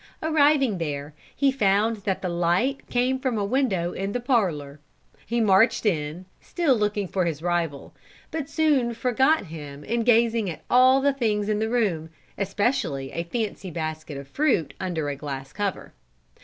Arriving there, he found that the light came from a window in the parlor. He marched in, still looking for his rival, but soon forgot him in gazing at the things in the room, especially a fancy basket of fruit under a glass cover.